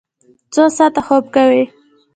څو ساعته خوب کوئ؟